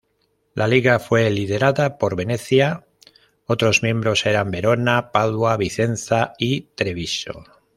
La Liga fue liderada por Venecia; otros miembros eran Verona, Padua, Vicenza, y Treviso.